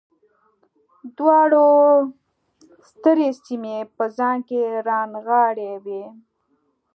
دواړو سترې سیمې په ځان کې رانغاړلې وې.